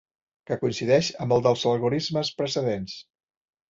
Que coincideix amb el dels algorismes precedents.